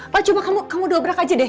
pak cuma kamu dobrak aja deh